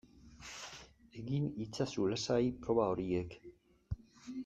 Egin itzazu lasai proba horiek